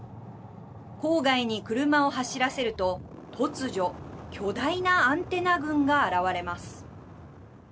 郊外に車を走らせると突如、巨大なアンテナ群が現れます。